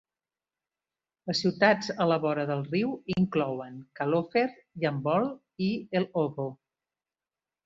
Les ciutats a la vora del riu inclouen Kalofer, Yambol i Elhovo.